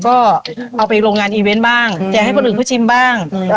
ก็เอาไปโรงงานอีเวนต์บ้างแจกให้คนอื่นเขาชิมบ้าง